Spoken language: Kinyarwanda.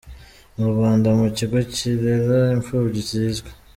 mu Rwanda mu kigo kirera imfubyi kizwi.